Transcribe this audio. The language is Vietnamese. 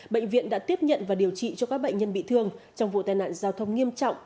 bệnh viện đã tiếp nhận và điều trị cho các bệnh nhân bị thương trong vụ tai nạn giao thông nghiêm trọng